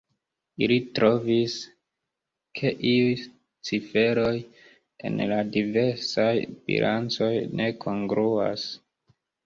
Ili trovis, ke iuj ciferoj en la diversaj bilancoj ne kongruas.